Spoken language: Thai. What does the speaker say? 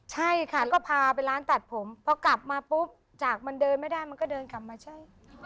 ใช่ค่ะก็พาไปร้านตัดผมพอกลับมาปุ๊บจากมันเดินไม่ได้มันก็เดินกลับมาใช่